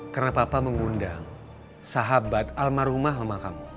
karena papa mengundang sahabat almarhumah mama kamu